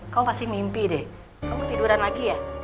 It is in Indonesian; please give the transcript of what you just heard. kau pasti mimpi deh kamu ketiduran lagi ya